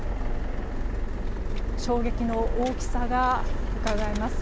衝撃の大きさがうかがえます。